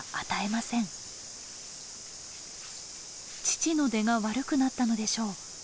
乳の出が悪くなったのでしょう。